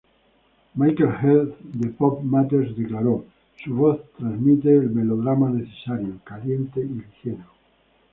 Michael Heath de PopMatters declaró: "Su voz transmite el melodrama necesario, caliente, y ligero.